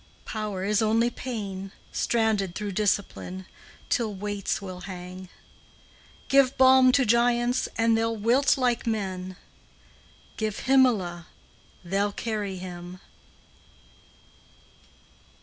Power is only pain, Stranded, through discipline, Till weights will hang. Give balm to giants, And they 'll wilt, like men. Give Himmaleh, They 'll carry him!